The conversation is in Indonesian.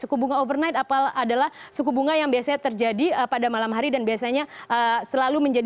suku bunga overnight adalah suku bunga yang biasanya terjadi pada malam hari dan biasanya selalu menjadi